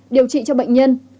điều trị cho bệnh nhân